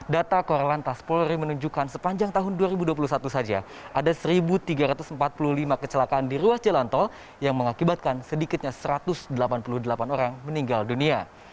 data korlantas polri menunjukkan sepanjang tahun dua ribu dua puluh satu saja ada satu tiga ratus empat puluh lima kecelakaan di ruas jalan tol yang mengakibatkan sedikitnya satu ratus delapan puluh delapan orang meninggal dunia